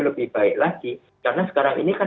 lebih baik lagi karena sekarang ini kan